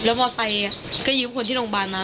แล้วมอสไตล์ก็ยิงคนที่โรงบาลมา